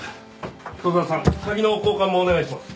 砥沢さん鍵の交換もお願いします。